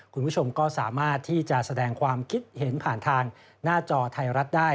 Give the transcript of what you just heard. คุณผู้ชมก็สามารถที่จะแสดงความคิดเห็นผ่านทางหน้าจอไทยรัฐได้